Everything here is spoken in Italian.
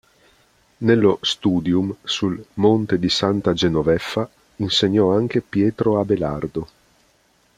Nello "studium" sul "monte di Santa Genoveffa" insegnò anche Pietro Abelardo.